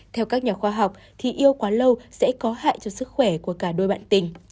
theo các nhà khoa học thì yêu quá lâu sẽ có hại cho sức khỏe của cả đôi bạn tình